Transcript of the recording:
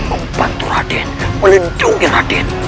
membantu raden melindungi raden